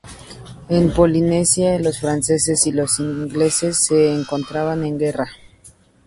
En Polinesia, los franceses y los ingleses se encontraban en guerra.